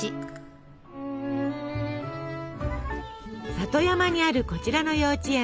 里山にあるこちらの幼稚園。